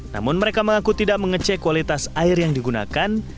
namun mereka mengaku tidak mengecek kualitas air yang digunakan